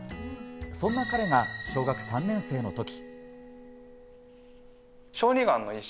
そんな彼が小学３年生のとき。